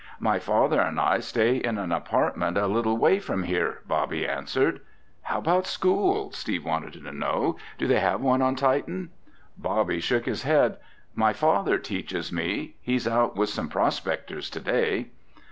"My father and I stay in an apartment a little way from here," Bobby answered. "How about school?" Steve wanted to know. "Do they have one on Titan?" Bobby shook his head. "My father teaches me. He's out with some prospectors today."